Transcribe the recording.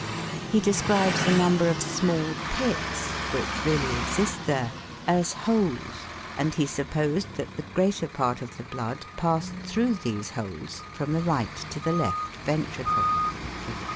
He describes a number of small pits, which really exist there, as holes, and he supposed that the greater part of the blood passed through these holes from the right to the left ventricle (Fig 2).